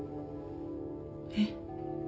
えっ？